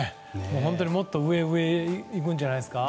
本当にもっと上へ上へいくんじゃないですか。